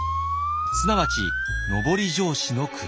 すなわち上り調子の国。